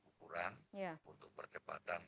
ukuran untuk percepatan